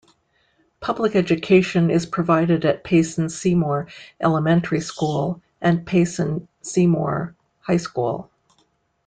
Public education is provided at Payson-Seymour Elementary School and Payson-Seymour High School.